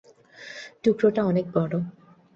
টুকরোটা অনেক বড়ো।